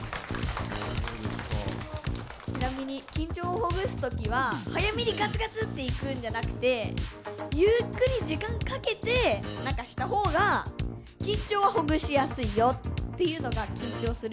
ちなみに緊張をほぐす時は早めにがつがつっていくんじゃなくてゆっくり時間かけて何かした方が緊張はほぐしやすいよというのが緊張する人からのアドバイスです。